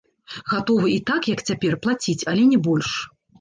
Гатовы і так, як цяпер, плаціць, але не больш.